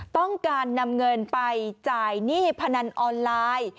ต้องการนำเงินไปจ่ายหนี้พนันออนไลน์